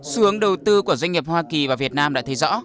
xuống đầu tư của doanh nghiệp hoa kỳ và việt nam đã thấy rõ